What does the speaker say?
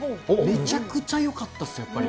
めちゃくちゃよかったっす、よかった。